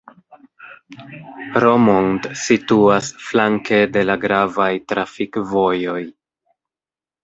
Romont situas flanke de la gravaj trafikvojoj.